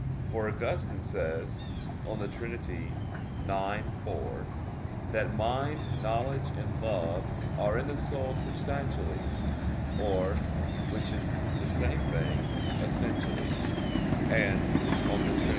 For Augustine says (De Trin. ix, 4), that "mind, knowledge, and love are in the soul substantially, or, which is the same thing, essentially": and (De Trin.